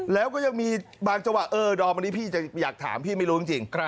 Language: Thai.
แล้วก็ยังมีบางจังหวะเออดอมอันนี้พี่อยากถามพี่ไม่รู้จริง